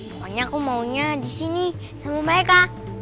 pokoknya aku maunya disini sama mereka